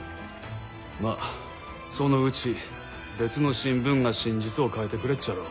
まぁそのうち別の新聞が真実を書いてくれっじゃろう。